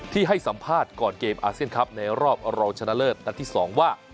ให้สัมภาษณ์ก่อนเกมอาเซียนครับในรอบรองชนะเลิศนัดที่๒ว่า